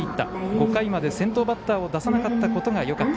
５回まで先頭バッターを出さなかったことがよかった。